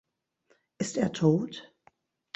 Ist er tot?